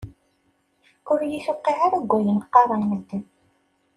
Ur yi-tewqiε ara deg ayen qqaren medden.